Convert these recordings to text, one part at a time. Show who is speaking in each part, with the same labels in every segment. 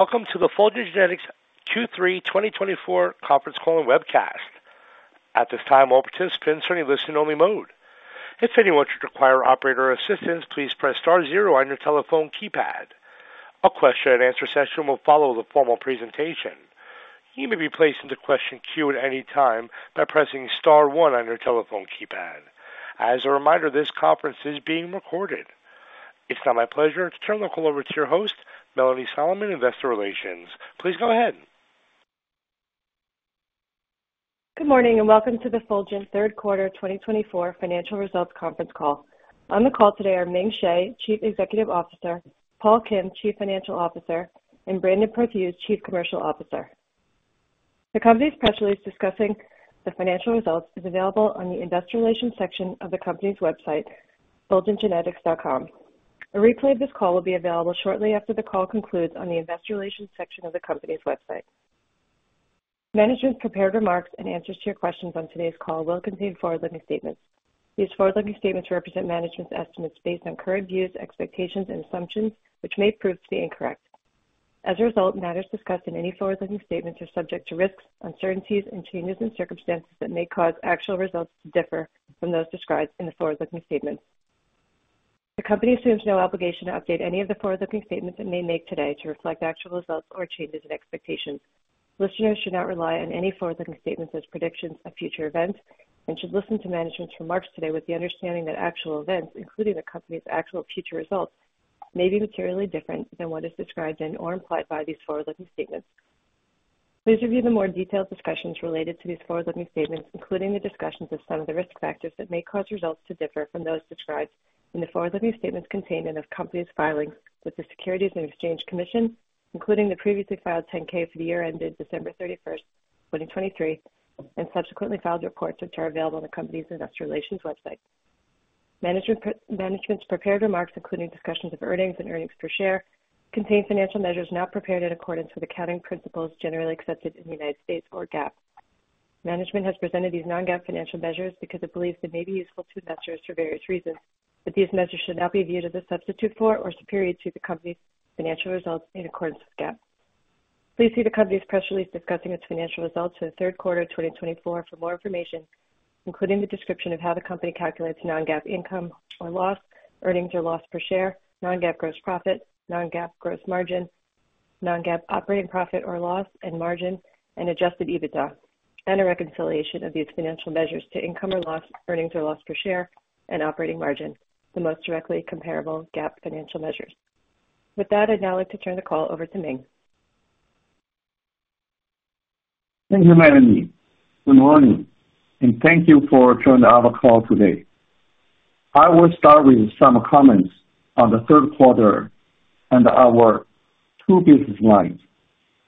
Speaker 1: Welcome to the Fulgent Genetics 2/3/2024 conference call and webcast. At this time, all participants are in a listen-only mode. If anyone should require operator assistance, please press star zero on your telephone keypad. A question-and-answer session will follow the formal presentation. You may be placed into question queue at any time by pressing star one on your telephone keypad. As a reminder, this conference is being recorded. It's now my pleasure to turn the call over to your host, Melanie Solomon, Investor Relations. Please go ahead.
Speaker 2: Good morning and welcome to the Fulgent third quarter 2024 financial results conference call. On the call today are Ming Hsieh, Chief Executive Officer, Paul Kim, Chief Financial Officer, and Brandon Perthuis, Chief Commercial Officer. The company's press release discussing the financial results is available on the Investor Relations section of the company's website, fulgentgenetics.com. A replay of this call will be available shortly after the call concludes on the Investor Relations section of the company's website. Management's prepared remarks and answers to your questions on today's call will contain forward-looking statements. These forward-looking statements represent management's estimates based on current views, expectations, and assumptions, which may prove to be incorrect. As a result, matters discussed in any forward-looking statements are subject to risks, uncertainties, and changes in circumstances that may cause actual results to differ from those described in the forward-looking statements. The company assumes no obligation to update any of the forward-looking statements it may make today to reflect actual results or changes in expectations. Listeners should not rely on any forward-looking statements as predictions of future events and should listen to management's remarks today with the understanding that actual events, including the company's actual future results, may be materially different than what is described in or implied by these forward-looking statements. Please review the more detailed discussions related to these forward-looking statements, including the discussions of some of the risk factors that may cause results to differ from those described in the forward-looking statements contained in the company's filings with the Securities and Exchange Commission, including the previously filed 10-K for the year ended December 31st, 2023, and subsequently filed reports which are available on the company's Investor Relations website. Management's prepared remarks, including discussions of earnings and earnings per share, contain financial measures not prepared in accordance with accounting principles generally accepted in the United States or GAAP. Management has presented these non-GAAP financial measures because it believes they may be useful to investors for various reasons, but these measures should not be viewed as a substitute for or superior to the company's financial results in accordance with GAAP. Please see the company's press release discussing its financial results for the third quarter 2024 for more information, including the description of how the company calculates non-GAAP income or loss, earnings or loss per share, non-GAAP gross profit, non-GAAP gross margin, non-GAAP operating profit or loss and margin, and Adjusted EBITDA, and a reconciliation of these financial measures to income or loss, earnings or loss per share, and operating margin, the most directly comparable GAAP financial measures. With that, I'd now like to turn the call over to Ming.
Speaker 3: Thank you, Melanie. Good morning, and thank you for joining our call today. I will start with some comments on the third quarter and our two business lines,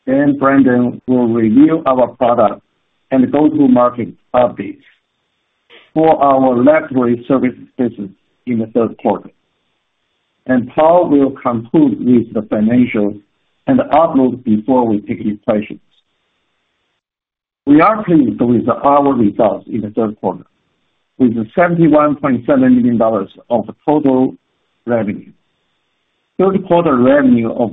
Speaker 3: then Brandon will review our product and go-to-market updates for our laboratory service business in the third quarter, and Paul will conclude with the financials and outlook before we take your questions. We are pleased with our results in the third quarter, with $71.7 million of total revenue. third quarter revenue of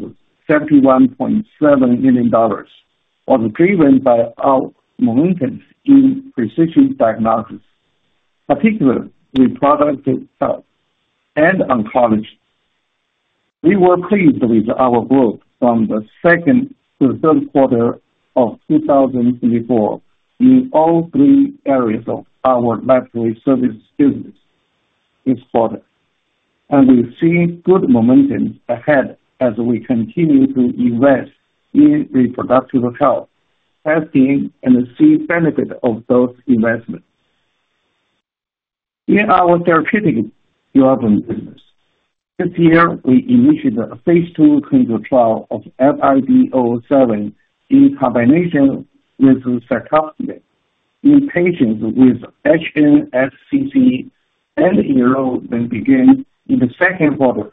Speaker 3: $71.7 million was driven by our momentum in precision diagnosis, particularly with productive health and oncology. We were pleased with our growth from the second to the third quarter of 2024 in all three areas of our library service business this quarter, and we see good momentum ahead as we continue to invest in reproductive health, testing, and see benefit of those investments. In our therapeutic development business, this year we initiated a phase II clinical trial of FID-007 in combination with cetuximab in patients with HNSCC and R/M that began in the second quarter.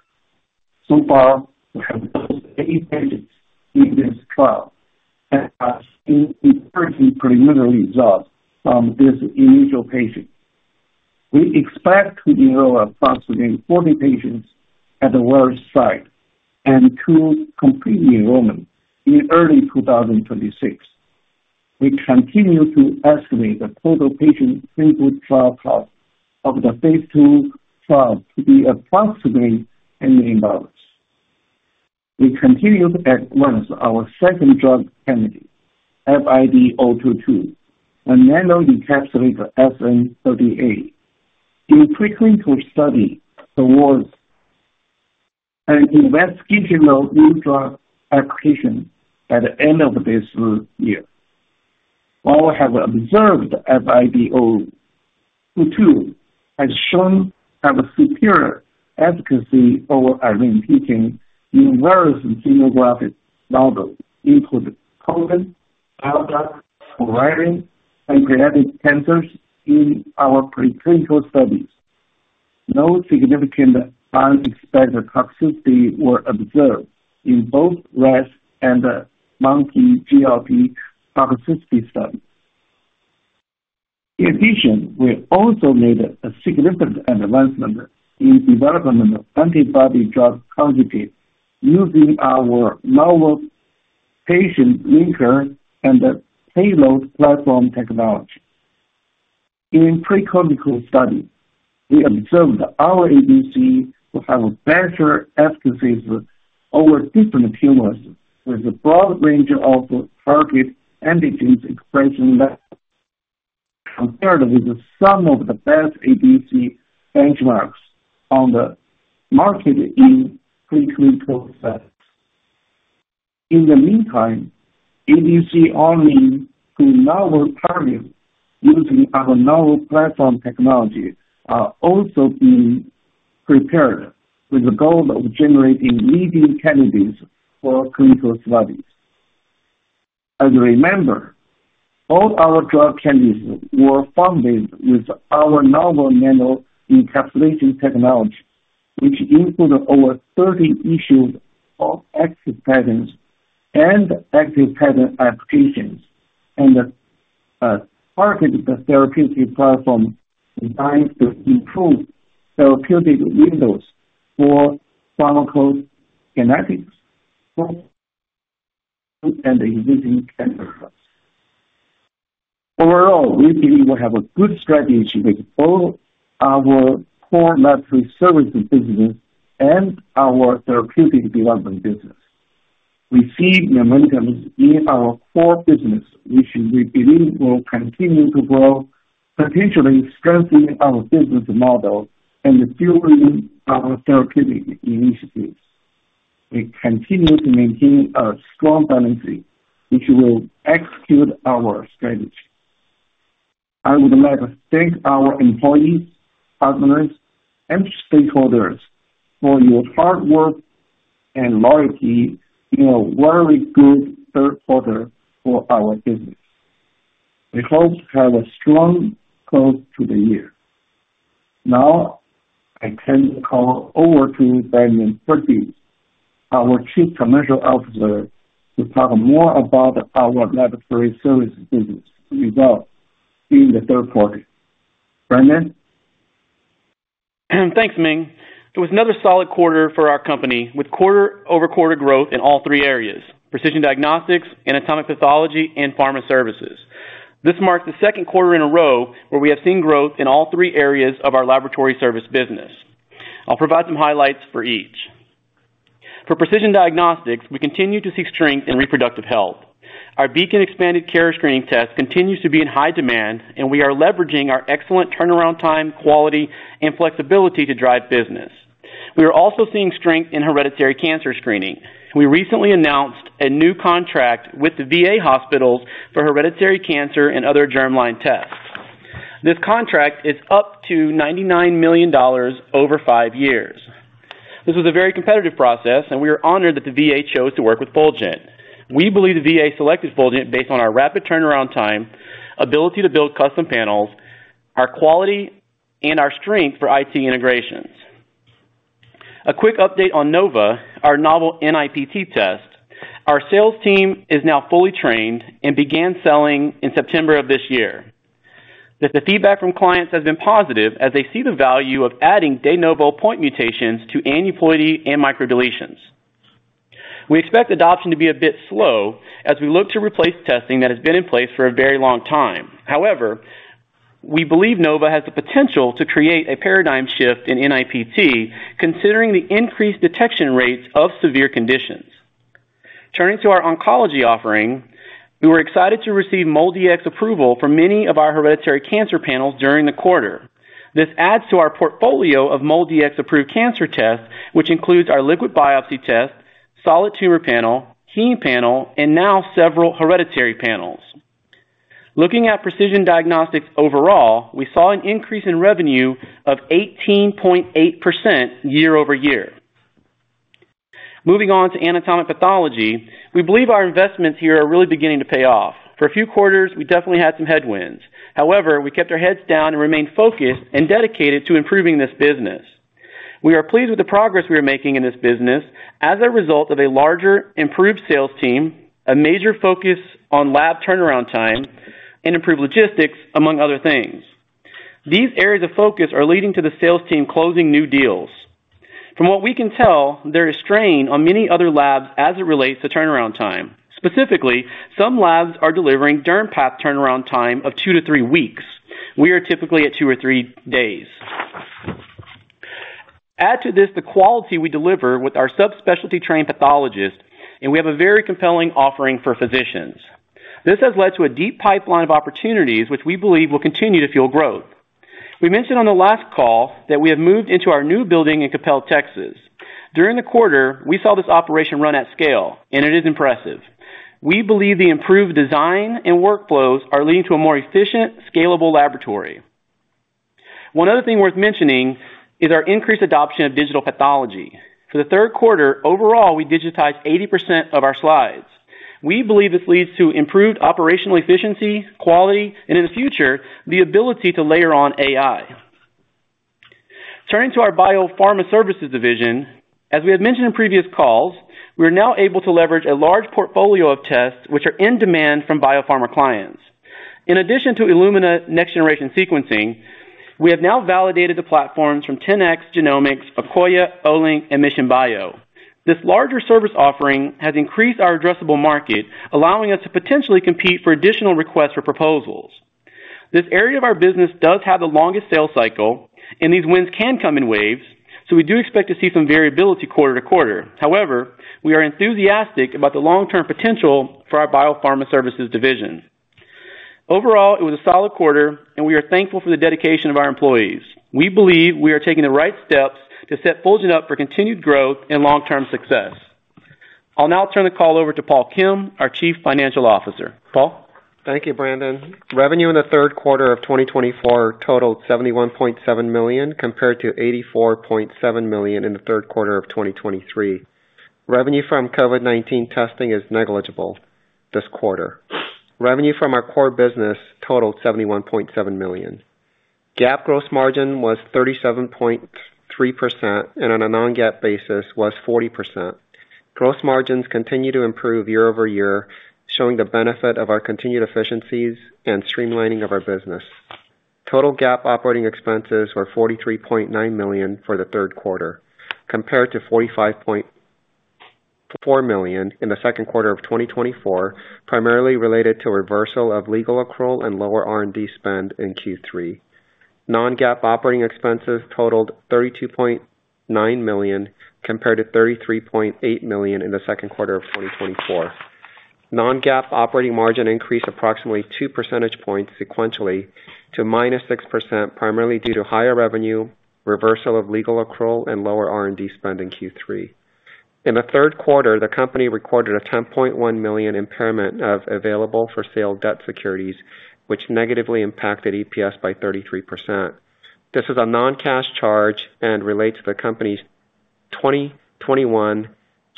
Speaker 3: So far, we have dosed eight patients in this trial and are seeing encouraging preliminary results from this initial patient. We expect to enroll approximately 40 patients across multiple sites and to complete enrollment in early 2026. We continue to estimate the total patient clinical trial cost of the phase II trial to be approximately $1 million. We continued to advance our second drug candidate, FID-022, a nanoencapsulated SN-38, in preclinical study towards an Investigational New Drug application at the end of this year. While we have observed FID-022, it has shown superior efficacy over Avastin in various xenograft models including colon, breast, ovarian, and pancreatic cancers in our preclinical studies. No significant unexpected toxicity was observed in both rat and monkey GLP toxicity studies. In addition, we also made a significant advancement in development of antibody-drug targeting using our novel patented linker and payload platform technology. In preclinical studies, we observed our ADC to have a better efficacy over different tumors with a broad range of target antigen expression levels, compared with some of the best ADC benchmarks on the market in preclinical settings. In the meantime, ADCs to novel targets using our novel platform technology are also being prepared with the goal of generating leading candidates for clinical studies. As a reminder, all our drug candidates were funded with our novel nanoencapsulation technology, which includes over 30 issued patents and patent applications and targeted therapeutic platform designed to improve therapeutic windows for pharmacokinetics and existing cancer drugs. Overall, we believe we have a good strategy with both our core library service business and our therapeutic development business. We see momentum in our core business, which we believe will continue to grow, potentially strengthening our business model and fueling our therapeutic initiatives. We continue to maintain a strong balance, which will execute our strategy. I would like to thank our employees, partners, and stakeholders for your hard work and loyalty in a very good third quarter for our business. We hope to have a strong growth to the year. Now, I turn the call over to Brandon Perthuis, our Chief Commercial Officer, to talk more about our library service business results in the third quarter. Brandon?
Speaker 4: Thanks, Ming. It was another solid quarter for our company, with quarter-over-quarter growth in all three areas: precision diagnostics, anatomic pathology, and pharma services. This marks the second quarter in a row where we have seen growth in all three areas of our laboratory service business. I'll provide some highlights for each. For precision diagnostics, we continue to see strength in reproductive health. Our Beacon expanded carrier screening test continues to be in high demand, and we are leveraging our excellent turnaround time, quality, and flexibility to drive business. We are also seeing strength in hereditary cancer screening. We recently announced a new contract with the VA hospitals for hereditary cancer and other germline tests. This contract is up to $99 million over five years. This was a very competitive process, and we are honored that the VA chose to work with Fulgent. We believe the VA selected Fulgent based on our rapid turnaround time, ability to build custom panels, our quality, and our strength for IT integrations. A quick update on Nova, our novel NIPT test. Our sales team is now fully trained and began selling in September of this year. The feedback from clients has been positive as they see the value of adding de novo point mutations to aneuploidy and microdeletions. We expect adoption to be a bit slow as we look to replace testing that has been in place for a very long time. However, we believe Nova has the potential to create a paradigm shift in NIPT, considering the increased detection rates of severe conditions. Turning to our oncology offering, we were excited to receive MolDX approval for many of our hereditary cancer panels during the quarter. This adds to our portfolio of MolDX approved cancer tests, which includes our liquid biopsy test, solid tumor panel, heme panel, and now several hereditary panels. Looking at precision diagnostics overall, we saw an increase in revenue of 18.8% year-over-year. Moving on to anatomic pathology, we believe our investments here are really beginning to pay off. For a few quarters, we definitely had some headwinds. However, we kept our heads down and remained focused and dedicated to improving this business. We are pleased with the progress we are making in this business as a result of a larger, improved sales team, a major focus on lab turnaround time, and improved logistics, among other things. These areas of focus are leading to the sales team closing new deals. From what we can tell, there is strain on many other labs as it relates to turnaround time. Specifically, some labs are delivering dermpath turnaround time of two to three weeks. We are typically at two or three days. Add to this the quality we deliver with our subspecialty-trained pathologists, and we have a very compelling offering for physicians. This has led to a deep pipeline of opportunities, which we believe will continue to fuel growth. We mentioned on the last call that we have moved into our new building in Coppell, Texas. During the quarter, we saw this operation run at scale, and it is impressive. We believe the improved design and workflows are leading to a more efficient, scalable laboratory. One other thing worth mentioning is our increased adoption of digital pathology. For the third quarter, overall, we digitized 80% of our slides. We believe this leads to improved operational efficiency, quality, and in the future, the ability to layer on AI. Turning to our biopharma services division, as we have mentioned in previous calls, we are now able to leverage a large portfolio of tests which are in demand from biopharma clients. In addition to Illumina Next Generation Sequencing, we have now validated the platforms from 10x Genomics, Akoya, Olink, and Mission Bio. This larger service offering has increased our addressable market, allowing us to potentially compete for additional requests for proposals. This area of our business does have the longest sales cycle, and these wins can come in waves, so we do expect to see some variability quarter to quarter. However, we are enthusiastic about the long-term potential for our biopharma services division. Overall, it was a solid quarter, and we are thankful for the dedication of our employees. We believe we are taking the right steps to set Fulgent up for continued growth and long-term success. I'll now turn the call over to Paul Kim, our Chief Financial Officer. Paul?
Speaker 5: Thank you, Brandon. Revenue in the third quarter of 2024 totaled $71.7 million compared to $84.7 million in the third quarter of 2023. Revenue from COVID-19 testing is negligible this quarter. Revenue from our core business totaled $71.7 million. GAAP gross margin was 37.3%, and on a non-GAAP basis was 40%. Gross margins continue to improve year-over-year, showing the benefit of our continued efficiencies and streamlining of our business. Total GAAP operating expenses were $43.9 million for the third quarter, compared to $45.4 million in the Second Quarter of 2024, primarily related to reversal of legal accrual and lower R&D spend in Q3. Non-GAAP operating expenses totaled $32.9 million compared to $33.8 million in the Second Quarter of 2024. Non-GAAP operating margin increased approximately two percentage points sequentially to minus 6%, primarily due to higher revenue, reversal of legal accrual, and lower R&D spend in Q3. In the third quarter, the company recorded a $10.1 million impairment of available-for-sale debt securities, which negatively impacted EPS by 33%. This is a non-cash charge and relates to the company's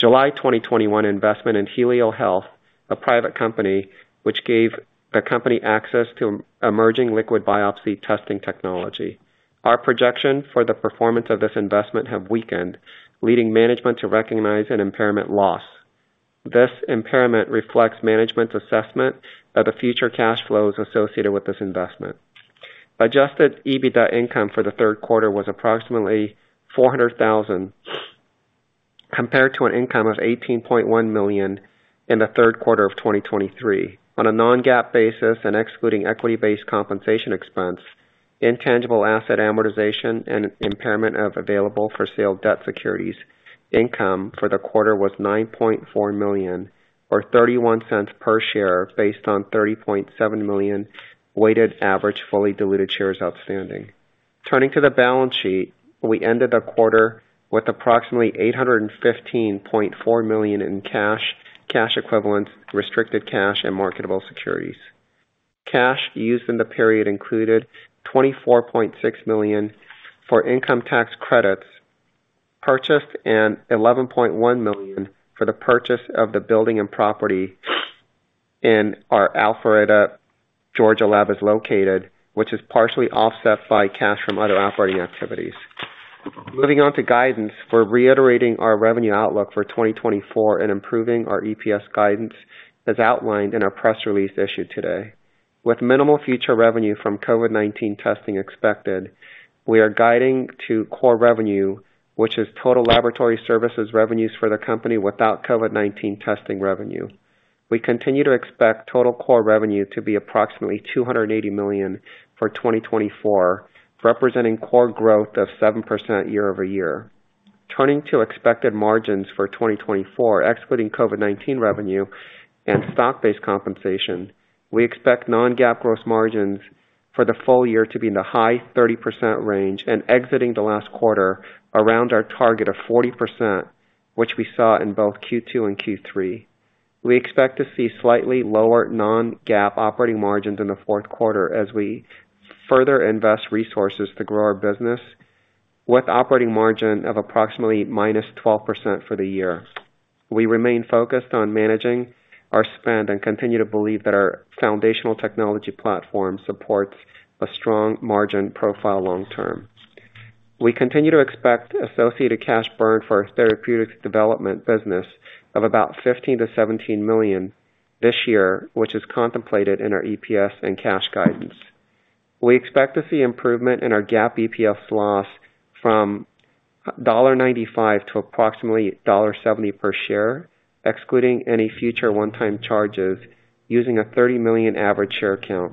Speaker 5: July 2021 investment in Helio Health, a private company, which gave the company access to emerging liquid biopsy testing technology. Our projection for the performance of this investment has weakened, leading management to recognize an impairment loss. This impairment reflects management's assessment of the future cash flows associated with this investment. Adjusted EBITDA income for the third quarter was approximately $400,000, compared to an income of $18.1 million in the third quarter of 2023. On a non-GAAP basis and excluding equity-based compensation expense, intangible asset amortization and impairment of available-for-sale debt securities, income for the quarter was $9.4 million, or $0.31 per share based on 30.7 million weighted average fully diluted shares outstanding. Turning to the balance sheet, we ended the quarter with approximately $815.4 million in cash, cash equivalents, restricted cash, and marketable securities. Cash used in the period included $24.6 million for income tax credits purchased and $11.1 million for the purchase of the building and property in our Alpharetta, Georgia, lab, which is located, which is partially offset by cash from other operating activities. Moving on to guidance, we're reiterating our revenue outlook for 2024 and improving our EPS guidance as outlined in our press release issued today. With minimal future revenue from COVID-19 testing expected, we are guiding to core revenue, which is total laboratory services revenues for the company without COVID-19 testing revenue. We continue to expect total core revenue to be approximately $280 million for 2024, representing core growth of 7% year-over-year. Turning to expected margins for 2024, excluding COVID-19 revenue and stock-based compensation, we expect non-GAAP gross margins for the full year to be in the high 30% range and exiting the last quarter around our target of 40%, which we saw in both Q2 and Q3. We expect to see slightly lower non-GAAP operating margins in the fourth quarter as we further invest resources to grow our business, with operating margin of approximately -12% for the year. We remain focused on managing our spend and continue to believe that our foundational technology platform supports a strong margin profile long-term. We continue to expect associated cash burn for our therapeutic development business of about $15 million-$17 million this year, which is contemplated in our EPS and cash guidance. We expect to see improvement in our GAAP EPS loss from $1.95 to approximately $1.70 per share, excluding any future one-time charges, using a $30 million average share count.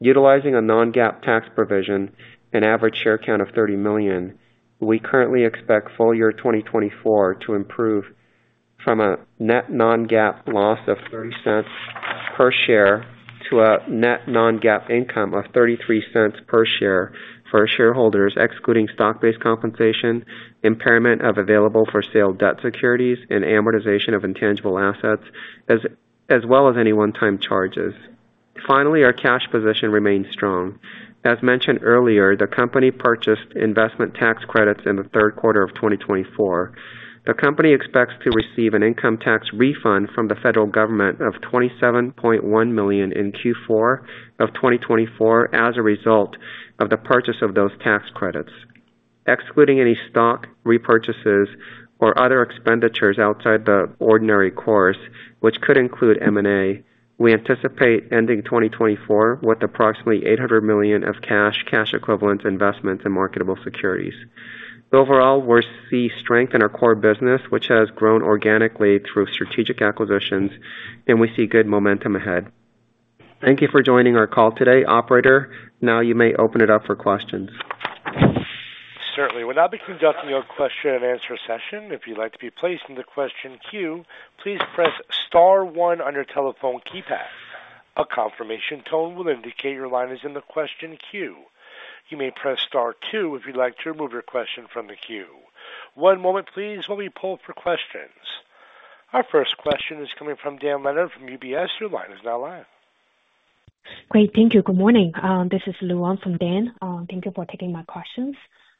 Speaker 5: Utilizing a non-GAAP tax provision, an average share count of $30 million, we currently expect full year 2024 to improve from a net non-GAAP loss of $0.30 per share to a net non-GAAP income of $0.33 per share for shareholders, excluding stock-based compensation, impairment of available for sale debt securities, and amortization of intangible assets, as well as any one-time charges. Finally, our cash position remains strong. As mentioned earlier, the company purchased investment tax credits in the third quarter of 2024. The company expects to receive an income tax refund from the federal government of $27.1 million in Q4 of 2024 as a result of the purchase of those tax credits. Excluding any stock repurchases or other expenditures outside the ordinary course, which could include M&A, we anticipate ending 2024 with approximately $800 million of cash, cash equivalents, investments, and marketable securities. Overall, we see strength in our core business, which has grown organically through strategic acquisitions, and we see good momentum ahead. Thank you for joining our call today, Operator. Now you may open it up for questions.
Speaker 1: Certainly. We'll now be conducting a question-and-answer session. If you'd like to be placed in the question queue, please press star one on your telephone keypad. A confirmation tone will indicate your line is in the question queue. You may press star two if you'd like to remove your question from the queue. One moment, please, while we pull up your questions. Our first question is coming from Dan Leonard from UBS. Your line is now live.
Speaker 6: Great. Thank you. Good morning. This is Lu Li from Dan. Thank you for taking my questions.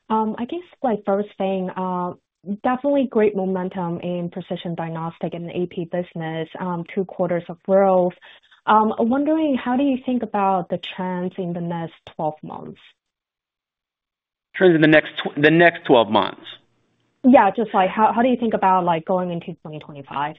Speaker 6: I guess my first thing, definitely great momentum in precision diagnostics and AP business, two quarters of growth. I'm wondering, how do you think about the trends in the next 12 months?
Speaker 4: Trends in the next 12 months?
Speaker 6: Yeah. Just how do you think about going into 2025?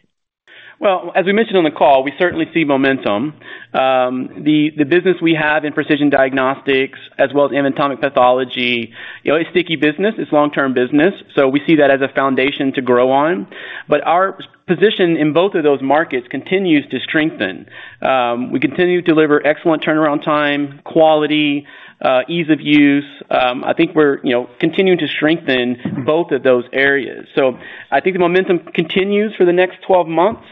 Speaker 4: As we mentioned on the call, we certainly see momentum. The business we have in precision diagnostics, as well as anatomic pathology, is a sticky business. It's long-term business. So we see that as a foundation to grow on. But our position in both of those markets continues to strengthen. We continue to deliver excellent turnaround time, quality, ease of use. I think we're continuing to strengthen both of those areas. So I think the momentum continues for the next 12 months.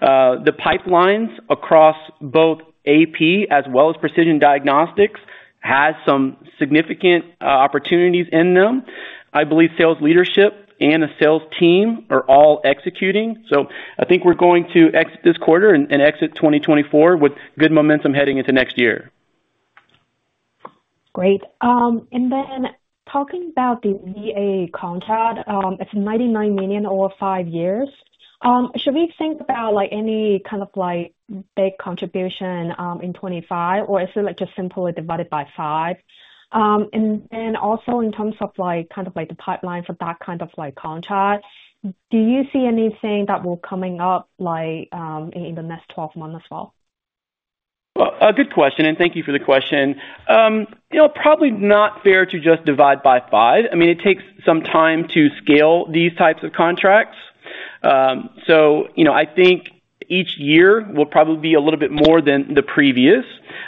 Speaker 4: The pipelines across both AP as well as precision diagnostics have some significant opportunities in them. I believe sales leadership and the sales team are all executing. So I think we're going to exit this quarter and exit 2024 with good momentum heading into next year.
Speaker 6: Great. And then talking about the VA contract, it's $99 million over five years. Should we think about any kind of big contribution in 2025, or is it just simply divided by five? And then also in terms of kind of the pipeline for that kind of contract, do you see anything that will be coming up in the next 12 months as well?
Speaker 4: Good question. Thank you for the question. Probably not fair to just divide by five. I mean, it takes some time to scale these types of contracts. I think each year will probably be a little bit more than the previous.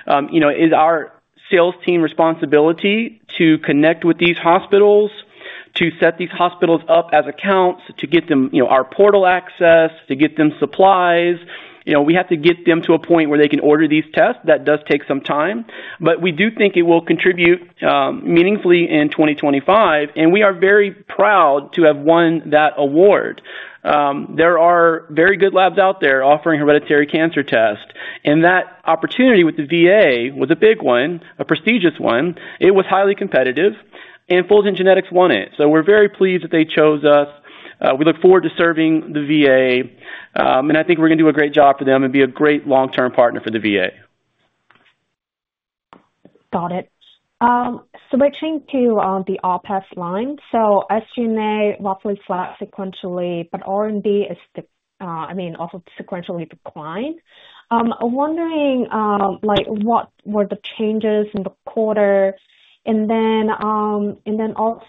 Speaker 4: It is our sales team's responsibility to connect with these hospitals, to set these hospitals up as accounts, to get them our portal access, to get them supplies. We have to get them to a point where they can order these tests. That does take some time. But we do think it will contribute meaningfully in 2025. We are very proud to have won that award. There are very good labs out there offering hereditary cancer tests. That opportunity with the VA was a big one, a prestigious one. It was highly competitive. Fulgent Genetics won it. So we're very pleased that they chose us. We look forward to serving the VA. And I think we're going to do a great job for them and be a great long-term partner for the VA.
Speaker 6: Got it. Switching to the OpEx line. So SG&A roughly flat sequentially, but R&D is, I mean, also sequentially declined. I'm wondering what were the changes in the quarter. And then also,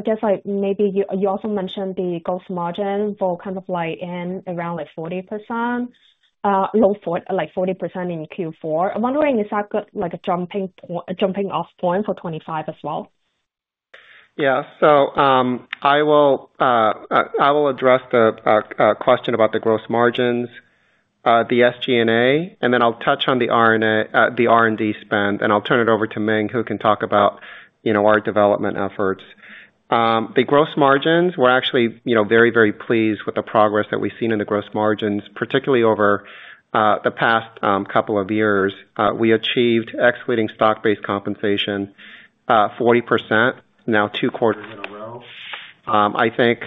Speaker 6: I guess maybe you also mentioned the gross margin for kind of in around 40%, like 40% in Q4. I'm wondering, is that a jumping-off point for 2025 as well?
Speaker 5: Yeah, so I will address the question about the gross margins, the SG&A, and then I'll touch on the R&D spend, and I'll turn it over to Ming, who can talk about our development efforts. The gross margins, we're actually very, very pleased with the progress that we've seen in the gross margins, particularly over the past couple of years. We achieved excluding stock-based compensation 40%, now two quarters in a row. I think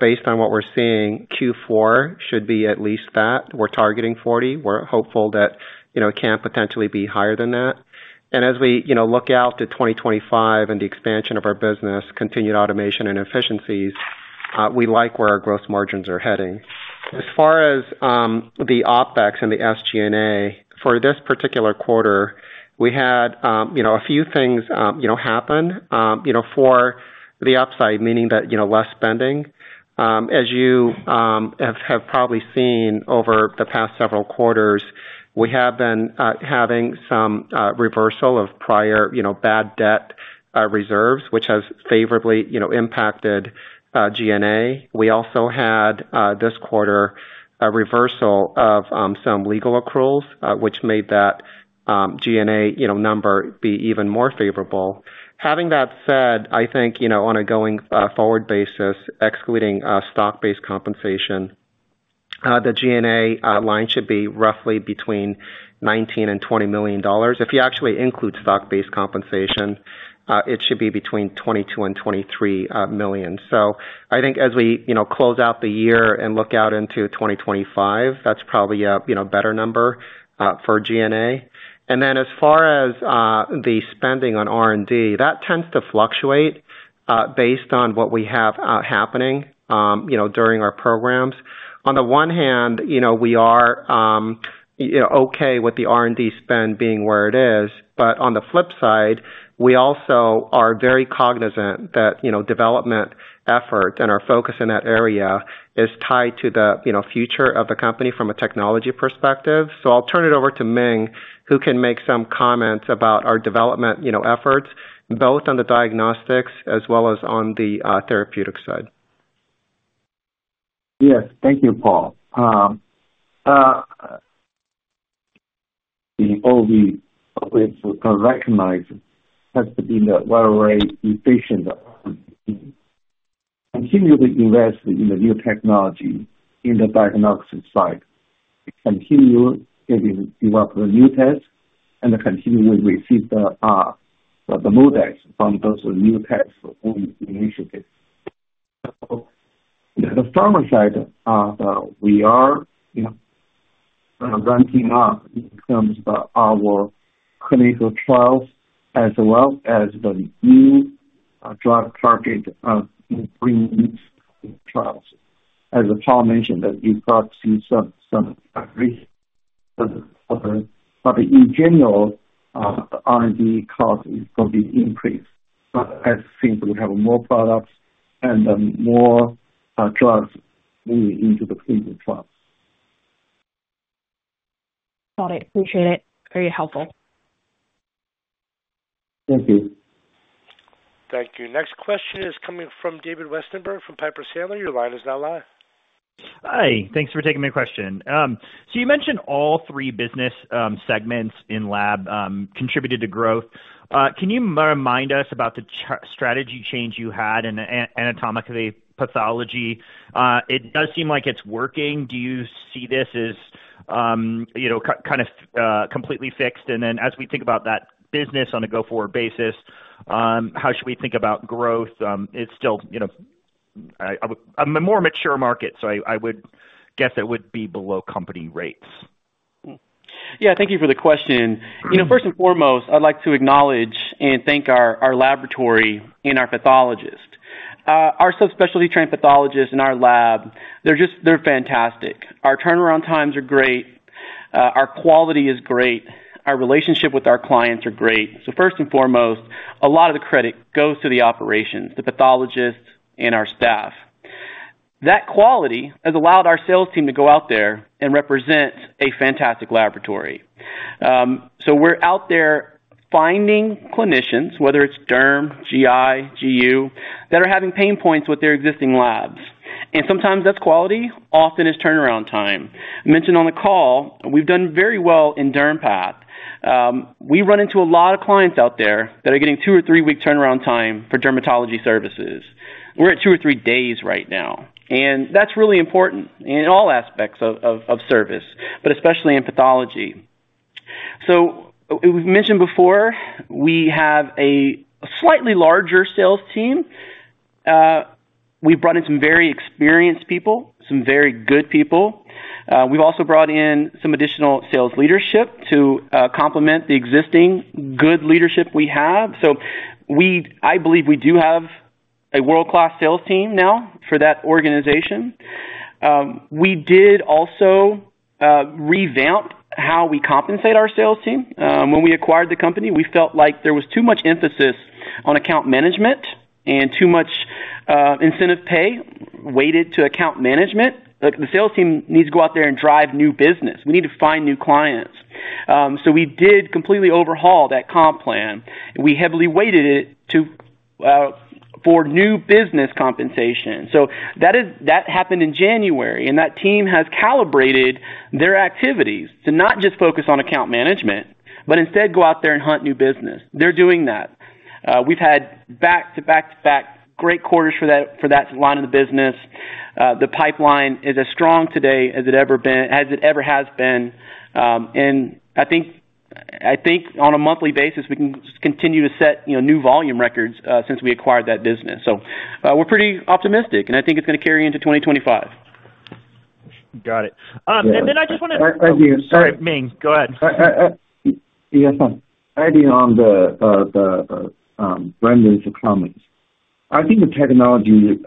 Speaker 5: based on what we're seeing, Q4 should be at least that. We're targeting 40%. We're hopeful that it can potentially be higher than that, and as we look out to 2025 and the expansion of our business, continued automation and efficiencies, we like where our gross margins are heading. As far as the OpEx and the SG&A, for this particular quarter, we had a few things happen for the upside, meaning that less spending. As you have probably seen over the past several quarters, we have been having some reversal of prior bad debt reserves, which has favorably impacted G&A. We also had this quarter a reversal of some legal accruals, which made that G&A number be even more favorable. Having that said, I think on a going forward basis, excluding stock-based compensation, the G&A line should be roughly between $19 million-$20 million. If you actually include stock-based compensation, it should be between $22 million-$23 million. So I think as we close out the year and look out into 2025, that's probably a better number for G&A. And then as far as the spending on R&D, that tends to fluctuate based on what we have happening during our programs. On the one hand, we are okay with the R&D spend being where it is. But on the flip side, we also are very cognizant that development efforts and our focus in that area is tied to the future of the company from a technology perspective. So I'll turn it over to Ming, who can make some comments about our development efforts, both on the diagnostics as well as on the therapeutic side.
Speaker 3: Yes. Thank you, Paul. The R&D, if recognized, has to be the right efficient team continually investing in the new technology in the diagnostic side. Continue getting developed the new tests, and continue with receipt of the MolDX from those new test initiatives, so the pharma side, we are ramping up in terms of our clinical trials as well as the new drug target bringing trials. As Paul mentioned, you've got to see some recent progress, but in general, the R&D cost is going to be increased, but as things will have more products and more drugs moving into the clinical trials.
Speaker 6: Got it. Appreciate it. Very helpful.
Speaker 3: Thank you.
Speaker 1: Thank you. Next question is coming from David Westenberg from Piper Sandler. Your line is now live.
Speaker 7: Hi. Thanks for taking my question. So you mentioned all three business segments in lab contributed to growth. Can you remind us about the strategy change you had in anatomic pathology? It does seem like it's working. Do you see this as kind of completely fixed? And then as we think about that business on a go-forward basis, how should we think about growth? It's still a more mature market, so I would guess it would be below company rates.
Speaker 4: Yeah. Thank you for the question. First and foremost, I'd like to acknowledge and thank our laboratory and our pathologist. Our subspecialty-trained pathologists in our lab, they're fantastic. Our turnaround times are great. Our quality is great. Our relationship with our clients are great. So first and foremost, a lot of the credit goes to the operations, the pathologists, and our staff. That quality has allowed our sales team to go out there and represent a fantastic laboratory. So we're out there finding clinicians, whether it's derm, GI, GU, that are having pain points with their existing labs. And sometimes that's quality, often, it's turnaround time. I mentioned on the call, we've done very well in dermpath. We run into a lot of clients out there that are getting two- or three-week turnaround time for dermatology services. We're at two or three days right now. And that's really important in all aspects of service, but especially in pathology. So we've mentioned before, we have a slightly larger sales team. We've brought in some very experienced people, some very good people. We've also brought in some additional sales leadership to complement the existing good leadership we have. So I believe we do have a world-class sales team now for that organization. We did also revamp how we compensate our sales team. When we acquired the company, we felt like there was too much emphasis on account management and too much incentive pay weighted to account management. The sales team needs to go out there and drive new business. We need to find new clients. So we did completely overhaul that comp plan. We heavily weighted it for new business compensation. So that happened in January. And that team has calibrated their activities to not just focus on account management, but instead go out there and hunt new business. They're doing that. We've had back-to-back-to-back great quarters for that line of the business. The pipeline is as strong today as it ever has been. And I think on a monthly basis, we can continue to set new volume records since we acquired that business. So we're pretty optimistic. And I think it's going to carry into 2025.
Speaker 7: Got it.
Speaker 3: And then I just want to.
Speaker 7: Thank you. Sorry, Ming. Go ahead.
Speaker 3: Yes, sir. Adding on Brandon's comments, I think the technology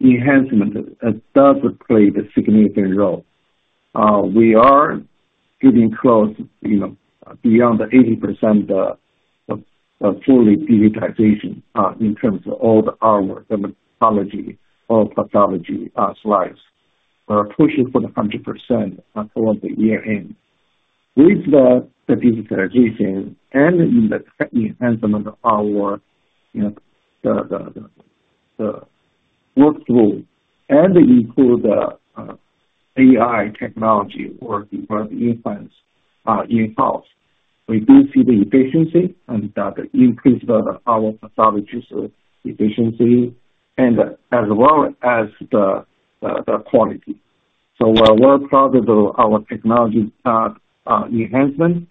Speaker 3: enhancement does play a significant role. We are getting close beyond the 80% fully digitization in terms of all the our dermatology or pathology slides. We're pushing for the 100% towards the year end. With the digitization and in the tech enhancement of our workflow and include the AI technology or the inference in-house, we do see the efficiency and the increase of our pathology efficiency and as well as the quality, so we're proud of our technology enhancement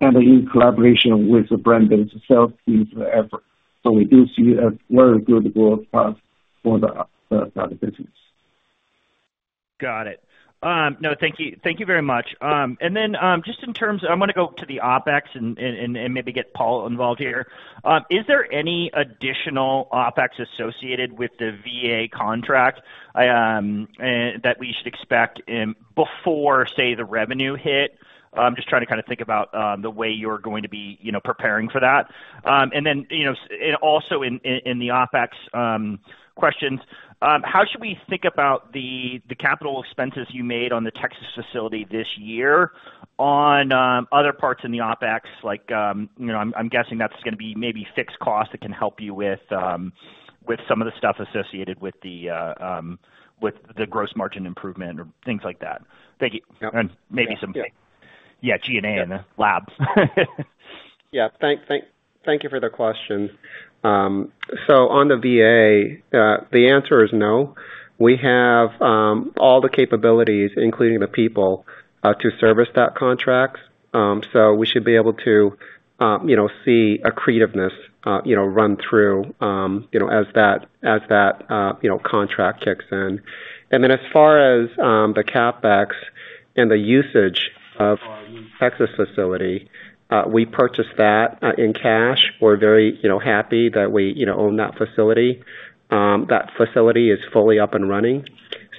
Speaker 3: and in collaboration with Brandon's sales team's effort, so we do see a very good growth path for the business.
Speaker 7: Got it. No, thank you very much. And then just in terms of, I'm going to go to the OpEx and maybe get Paul involved here. Is there any additional OpEx associated with the VA contract that we should expect before, say, the revenue hit? I'm just trying to kind of think about the way you're going to be preparing for that. And then also in the OpEx questions, how should we think about the capital expenses you made on the Texas facility this year on other parts in the OpEx? I'm guessing that's going to be maybe fixed costs that can help you with some of the stuff associated with the gross margin improvement or things like that. Thank you. And maybe some. Yeah. Yeah, GA and the labs.
Speaker 5: Yeah. Thank you for the question. So on the VA, the answer is no. We have all the capabilities, including the people, to service that contract. So we should be able to see revenue run through as that contract kicks in. And then as far as the CapEx and the usage of Texas facility, we purchased that in cash. We're very happy that we own that facility. That facility is fully up and running,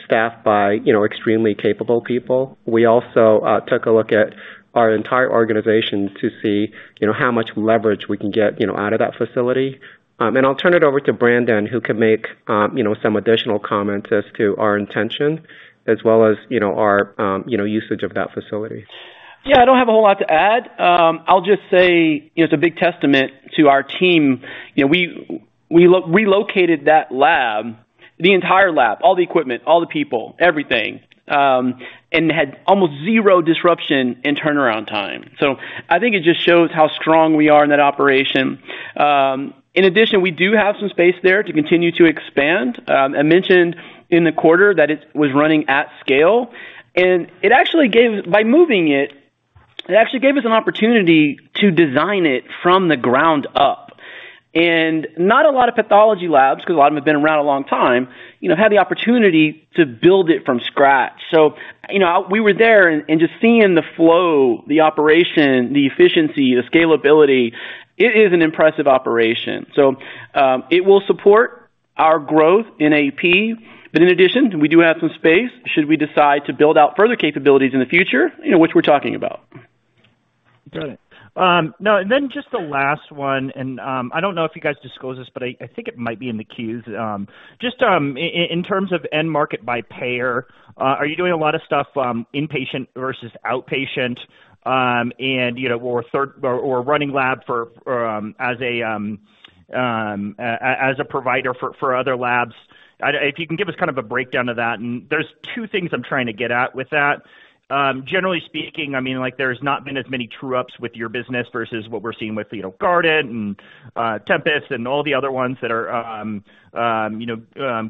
Speaker 5: staffed by extremely capable people. We also took a look at our entire organization to see how much leverage we can get out of that facility. And I'll turn it over to Brandon, who can make some additional comments as to our intention as well as our usage of that facility.
Speaker 4: Yeah. I don't have a whole lot to add. I'll just say it's a big testament to our team. We relocated that lab, the entire lab, all the equipment, all the people, everything, and had almost zero disruption in turnaround time. So I think it just shows how strong we are in that operation. In addition, we do have some space there to continue to expand. I mentioned in the quarter that it was running at scale, and by moving it, it actually gave us an opportunity to design it from the ground up. And not a lot of pathology labs, because a lot of them have been around a long time, had the opportunity to build it from scratch. So we were there and just seeing the flow, the operation, the efficiency, the scalability. It is an impressive operation. So it will support our growth in AP. But in addition, we do have some space should we decide to build out further capabilities in the future, which we're talking about.
Speaker 7: Got it. Now, and then just the last one. I don't know if you guys disclosed this, but I think it might be in the queues. Just in terms of end market by payer, are you doing a lot of stuff inpatient versus outpatient? And we're running lab as a provider for other labs. If you can give us kind of a breakdown of that. And there's two things I'm trying to get at with that. Generally speaking, I mean, there's not been as many true-ups with your business versus what we're seeing with Guardant and Tempus and all the other ones that are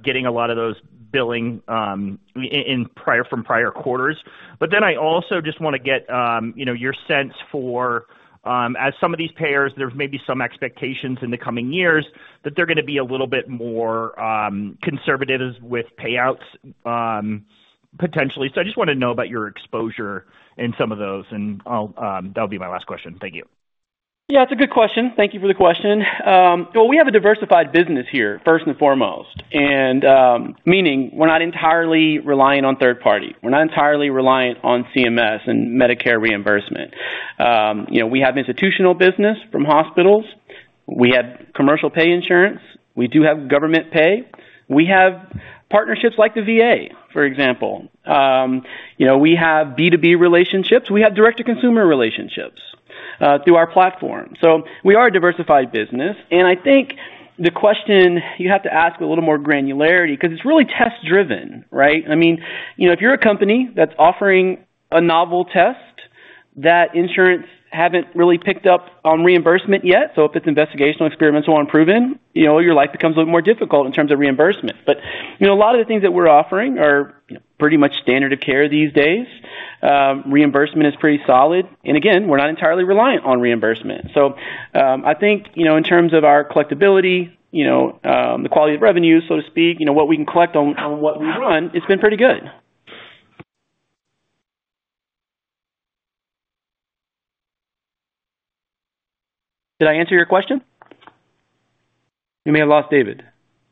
Speaker 7: getting a lot of those billing from prior quarters. But then I also just want to get your sense for, as some of these payers, there may be some expectations in the coming years that they're going to be a little bit more conservative with payouts potentially. So I just want to know about your exposure in some of those. And that'll be my last question. Thank you.
Speaker 4: Yeah. It's a good question. Thank you for the question. We have a diversified business here, first and foremost. Meaning we're not entirely reliant on third party. We're not entirely reliant on CMS and Medicare reimbursement. We have institutional business from hospitals. We have commercial pay insurance. We do have government pay. We have partnerships like the VA, for example. We have B2B relationships. We have direct-to-consumer relationships through our platform. We are a diversified business. I think the question you have to ask a little more granularity because it's really test-driven, right? I mean, if you're a company that's offering a novel test that insurance hasn't really picked up on reimbursement yet, so if it's investigational, experimental, unproven, your life becomes a little more difficult in terms of reimbursement. But a lot of the things that we're offering are pretty much standard of care these days. Reimbursement is pretty solid. And again, we're not entirely reliant on reimbursement. So I think in terms of our collectibility, the quality of revenue, so to speak, what we can collect on what we run, it's been pretty good. Did I answer your question? You may have lost David.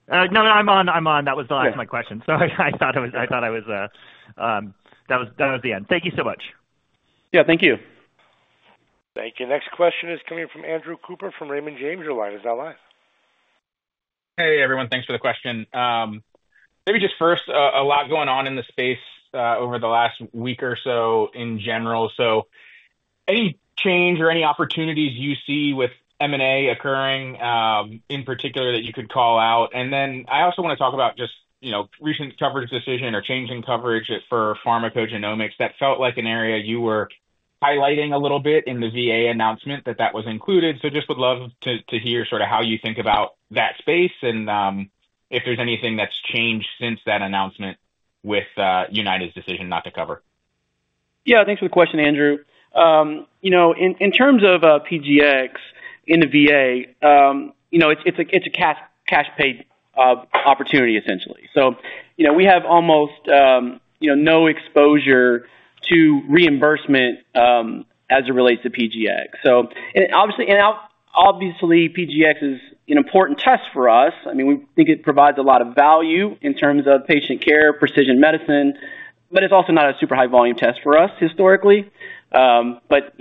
Speaker 7: No, no. I'm on. That was the last of my questions. So I thought that was the end. Thank you so much.
Speaker 4: Yeah. Thank you.
Speaker 1: Thank you. Next question is coming from Andrew Cooper from Raymond James. Are you online? Is that live?
Speaker 8: Hey, everyone. Thanks for the question. Maybe just first, a lot going on in the space over the last week or so in general. So any change or any opportunities you see with M&A occurring in particular that you could call out? And then I also want to talk about just recent coverage decision or changing coverage for pharmacogenomics that felt like an area you were highlighting a little bit in the VA announcement that that was included. So just would love to hear sort of how you think about that space and if there's anything that's changed since that announcement with United's decision not to cover.
Speaker 4: Yeah. Thanks for the question, Andrew. In terms of PGx in the VA, it's a cash-paid opportunity, essentially. So we have almost no exposure to reimbursement as it relates to PGx. And obviously, PGx is an important test for us. I mean, we think it provides a lot of value in terms of patient care, precision medicine, but it's also not a super high-volume test for us historically. But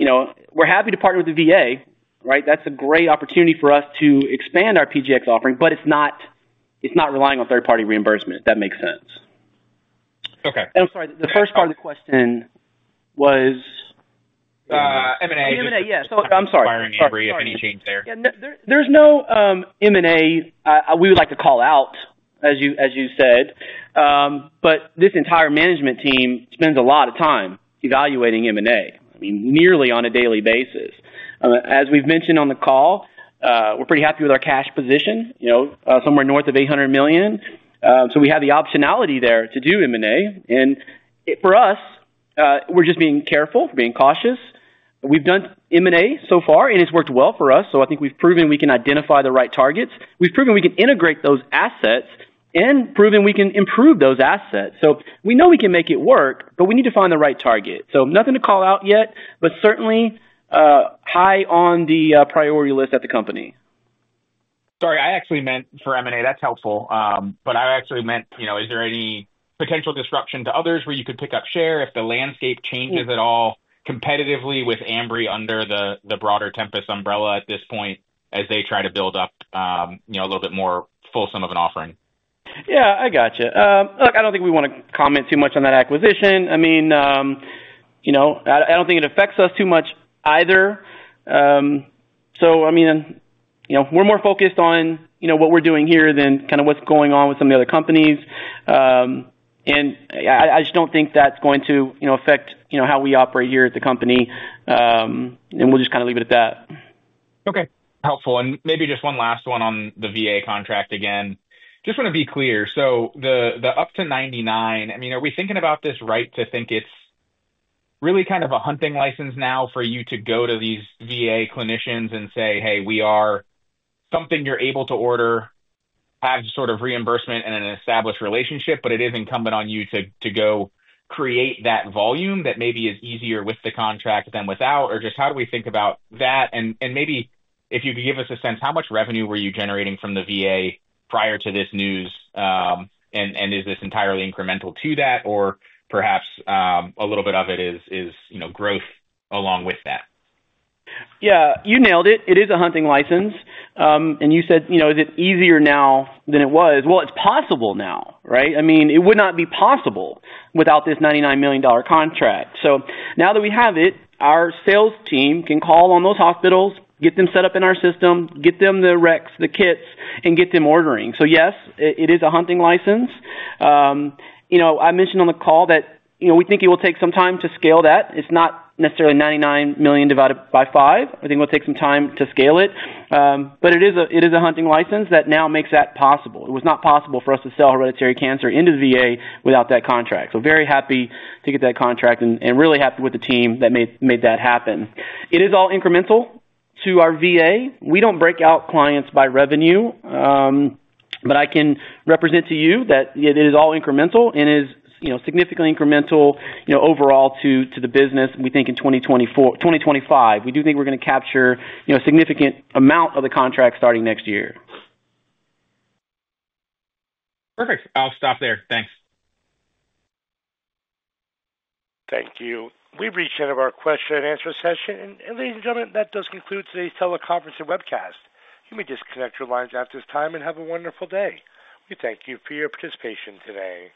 Speaker 4: we're happy to partner with the VA, right? That's a great opportunity for us to expand our PGx offering, but it's not relying on third-party reimbursement, if that makes sense.
Speaker 8: Okay.
Speaker 4: I'm sorry. The first part of the question was.
Speaker 8: M&A.
Speaker 4: M&A, yeah. Sorry. Acquiring every if any change there.
Speaker 8: Yeah. There's no M&A we would like to call out, as you said. But this entire management team spends a lot of time evaluating M&A, I mean, nearly on a daily basis. As we've mentioned on the call, we're pretty happy with our cash position, somewhere north of $800 million. So we have the optionality there to do M&A. And for us, we're just being careful, being cautious. We've done M&A so far, and it's worked well for us. So I think we've proven we can identify the right targets. We've proven we can integrate those assets and proven we can improve those assets. So we know we can make it work, but we need to find the right target. So nothing to call out yet, but certainly high on the priority list at the company.
Speaker 5: Sorry. I actually meant for M&A. That's helpful. But I actually meant, is there any potential disruption to others where you could pick up share if the landscape changes at all competitively with Ambry under the broader Tempus umbrella at this point as they try to build up a little bit more fulsome of an offering?
Speaker 8: Yeah. I gotcha. Look, I don't think we want to comment too much on that acquisition. I mean, I don't think it affects us too much either. So I mean, we're more focused on what we're doing here than kind of what's going on with some of the other companies. And I just don't think that's going to affect how we operate here at the company. And we'll just kind of leave it at that.
Speaker 4: Okay. Helpful. And maybe just one last one on the VA contract again. Just want to be clear. So the up to 99, I mean, are we thinking about this right to think it's really kind of a hunting license now for you to go to these VA clinicians and say, "Hey, we are something you're able to order, have sort of reimbursement and an established relationship," but it is incumbent on you to go create that volume that maybe is easier with the contract than without? Or just how do we think about that? And maybe if you could give us a sense, how much revenue were you generating from the VA prior to this news? And is this entirely incremental to that? Or perhaps a little bit of it is growth along with that?
Speaker 8: Yeah. You nailed it. It is a hunting license, and you said, "Is it easier now than it was?" Well, it's possible now, right? I mean, it would not be possible without this $99 million contract, so now that we have it, our sales team can call on those hospitals, get them set up in our system, get them the recs, the kits, and get them ordering, so yes, it is a hunting license. I mentioned on the call that we think it will take some time to scale that. It's not necessarily 99 million divided by five. I think it will take some time to scale it, but it is a hunting license that now makes that possible. It was not possible for us to sell hereditary cancer into the VA without that contract. So very happy to get that contract and really happy with the team that made that happen. It is all incremental to our VA. We don't break out clients by revenue. But I can represent to you that it is all incremental and is significantly incremental overall to the business, we think, in 2025. We do think we're going to capture a significant amount of the contract starting next year. Perfect. I'll stop there. Thanks.
Speaker 1: Thank you. We've reached the end of our question and answer session. And ladies and gentlemen, that does conclude today's teleconference and webcast. You may disconnect your lines at this time and have a wonderful day. We thank you for your participation today.